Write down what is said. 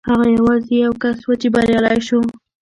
هغه یوازې یو کس و چې بریالی شو.